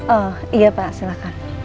oh iya pak silahkan